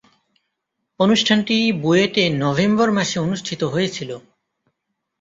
অনুষ্ঠানটি বুয়েটে নভেম্বর মাসে অনুষ্ঠিত হয়েছিলো।